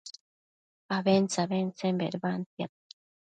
abentse-abentsen bedbantiad